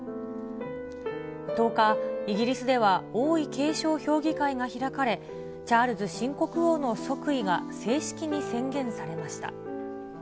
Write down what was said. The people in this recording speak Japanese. １０日、イギリスでは王位継承評議会が開かれ、チャールズ新国王の即位が正式に宣言されました。